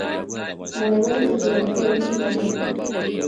نړیوالې تجارتي اړیکې لرلې.